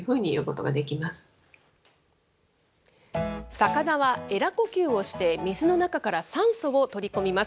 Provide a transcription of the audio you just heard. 魚はえら呼吸をして、水の中から酸素を取り込みます。